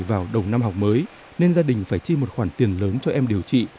vào đầu năm học mới nên gia đình phải chi một khoản tiền lớn cho em điều trị